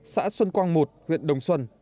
xã xuân quang một huyện đông xuân